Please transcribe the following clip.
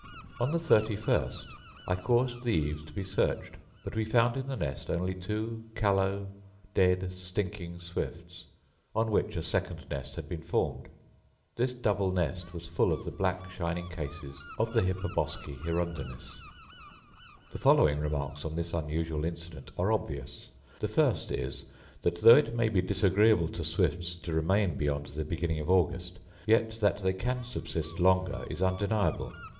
On the thirty first I caused the eaves to be searched, but we found in the nest only two callow, dead, stinking swifts, on which a second nest had been formed. This double nest was full of the black shining cases of the hippoboscae hirundinis. The following remarks on this unusual incident are obvious. The first is, that though it may be disagreeable to swifts to remain beyond the beginning of August, yet that they can subsist longer is undeniable.